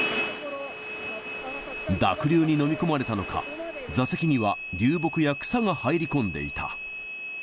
濁流に飲み込まれたのか、座席には流木や草が入り込んでいた。